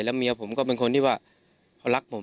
และเมียผมเป็นคนที่เขารักผม